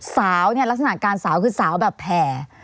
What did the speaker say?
สาวเนี่ยลักษณะการสาวคือสาวแบบแผ่